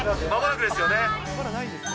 まもなくですよね。